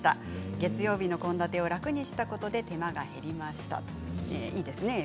月曜日の献立を楽にしたことで手間が減りました。